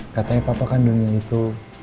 katanya papa kandungnya itu